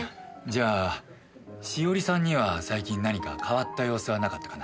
じゃあ栞さんには最近何か変わった様子はなかったかな？